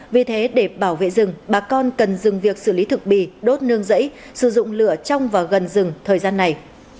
vì thế để bảo vệ rừng bà con cần dừng việc xử lý thực bì đốt nương rẫy sử dụng lửa trong và gần rừng thời gian này